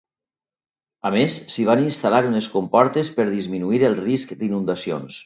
A més, s'hi van instal·lar unes comportes per disminuir el risc d'inundacions.